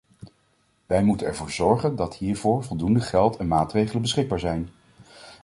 Wij moeten ervoor zorgen dat hiervoor voldoende geld en maatregelen beschikbaar zijn.